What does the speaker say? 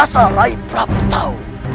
asal rai prabu tahu